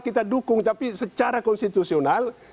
kita dukung tapi secara konstitusional